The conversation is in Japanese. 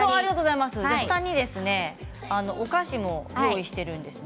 下にお菓子も用意しているんですね。